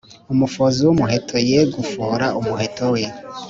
Umufozi w umuheto ye gufora umuheto we